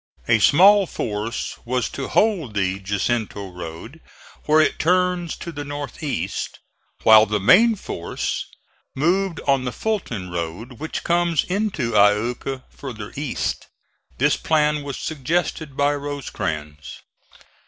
A small force was to hold the Jacinto road where it turns to the north east, while the main force moved on the Fulton road which comes into Iuka further east. This plan was suggested by Rosecrans.